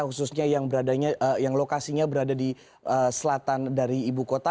khususnya yang lokasinya berada di selatan dari ibu kota